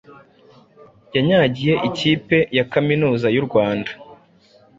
yanyagiye ikipe ya Kaminuza y’u Rwanda